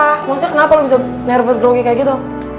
maksudnya kenapa lo bisa nervous grogi kayak gitu